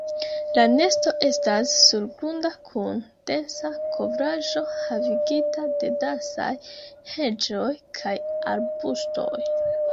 La nesto estas surgrunda, kun densa kovraĵo havigita de densaj heĝoj kaj arbustoj.